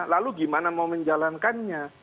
lalu gimana mau menjalankannya